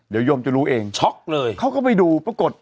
เดี๋ยวโยมจะรู้เองช็อกเลยเขาก็ไปดูปรากฏ